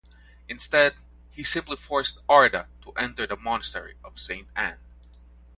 Instead, he simply forced Arda to enter the monastery of Saint Anne.